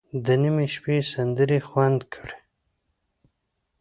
د نیمې شپې سندرې خوند کړي.